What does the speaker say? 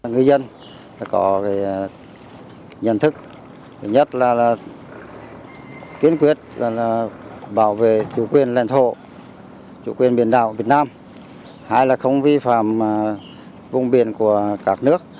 người dân có nhận thức thứ nhất là kiên quyết bảo vệ chủ quyền lãnh thổ chủ quyền biển đảo việt nam hai là không vi phạm vùng biển của các nước